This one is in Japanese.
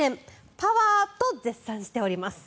パワー！と絶賛しております。